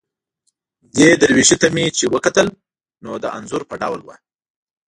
دې درویشي ته مې چې وکتل، نو د انځور په ډول وه.